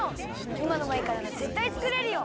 いまのマイカならぜったいつくれるよ！